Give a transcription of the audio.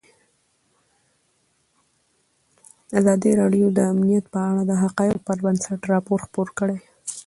ازادي راډیو د امنیت په اړه د حقایقو پر بنسټ راپور خپور کړی.